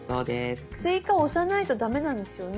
「追加」を押さないと駄目なんですよね？